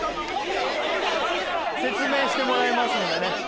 説明してもらいますのでね